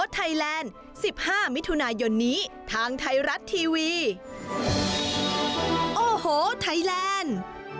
ทีวีโอ้โหไทยแลนด์